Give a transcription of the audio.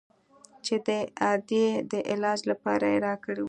چې د ادې د علاج لپاره يې راكړى و.